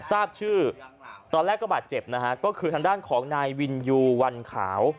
ทราบชื่อตอนแรกก็บาดเจ็บนะฮะก็คือทางด้านของนายวินยูวันขาว